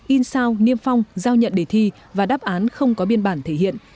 in sao niêm phong giao nhận đề thi và đáp án không có biên bản thể hiện